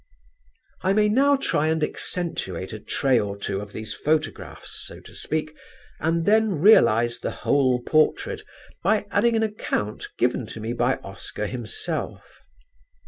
I may now try and accentuate a trait or two of these photographs, so to speak, and then realise the whole portrait by adding an account given to me by Oscar himself.